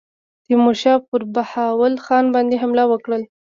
تیمورشاه پر بهاول خان باندي حمله کړې.